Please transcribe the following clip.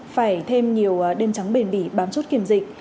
phải thêm nhiều đêm trắng bền bỉ bám chốt kiểm dịch